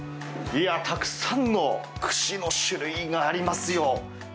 たくさんの串の種類がありますよ。